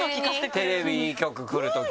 テレビ局来るとき。